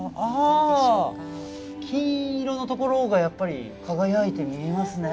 金色のところがやっぱり輝いて見えますね。